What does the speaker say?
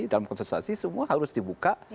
dalam kontestasi semua harus dibuka